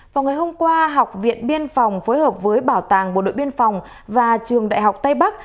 vào ngày hôm qua học viện biên phòng phối hợp với bảo tàng bộ đội biên phòng và trường đại học tây bắc